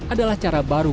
adalah cara baru